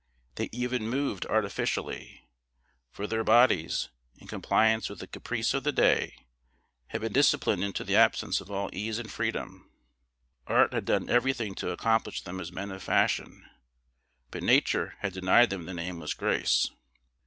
They even moved artificially, for their bodies, in compliance with the caprice of the day, had been disciplined into the absence of all ease and freedom. Art had done everything to accomplish them as men of fashion, but Nature had denied them the nameless grace.